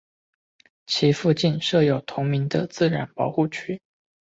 其附近设有同名的自然保护区。